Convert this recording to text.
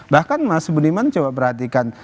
bahkan mas budiman coba perhatikan